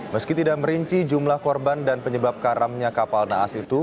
meski tidak merinci jumlah korban dan penyebab karamnya kapal naas itu